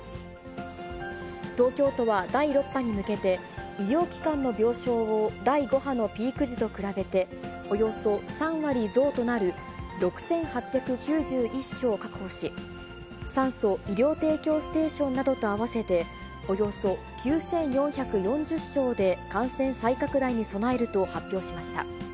東京都は第６波に向けて、医療機関の病床を第５波のピーク時と比べて、およそ３割増となる６８９１床確保し、酸素・医療提供ステーションなどと合わせておよそ９４４０床で感染再拡大に備えると発表しました。